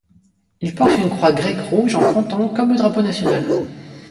Il porte une croix grecque rouge en canton comme le drapeau national.